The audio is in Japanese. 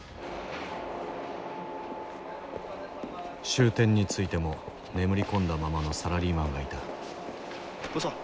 終点に着いても眠り込んだままのサラリーマンがいたおじさん